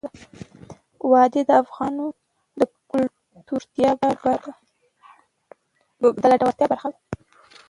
وادي د افغانانو د ګټورتیا برخه ده.